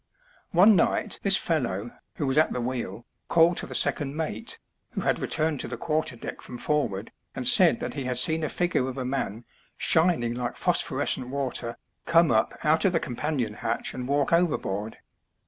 One night this fellow, who was at the wheel, called to the second mate, who had returned to the quarter deck from forward, and said that he had seen a figure of a man, shining like phosphorescent water, come up out of the com panion hatch and walk overboard.